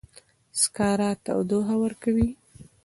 سکاره تودوخه ورکوي